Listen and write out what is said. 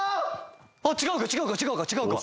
「違うか違うか違うか違うか」